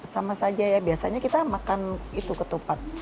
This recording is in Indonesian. sama saja ya biasanya kita makan itu ketupat